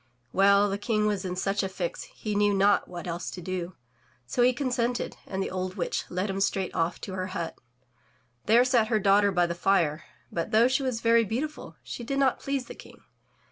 Well, the King was in such a fix, he knew not what else to do, so he consented, and the old witch led him straight off to her hut. There sat her daughter by the fire, but though she was very beautiful, she did not please the King.